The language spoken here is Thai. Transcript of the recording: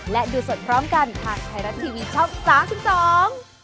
และดูสดพร้อมกันทางไทยรัฐทีวีช่อง๓๒